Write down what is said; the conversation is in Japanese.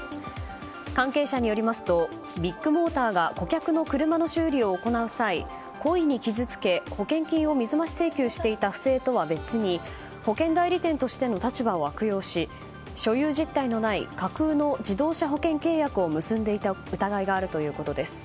関係者によりますとビッグモーターが顧客の車の修理を行う際故意に傷つけ保険金を水増し請求していた不正とは別に保険代理店としての立場を悪用し所有実体のない架空の自動車保険契約を結んでいた疑いがあるということです。